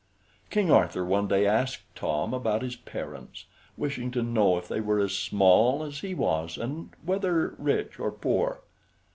King Arthur one day asked Tom about his parents, wishing to know if they were as small as he was, and whether rich or poor.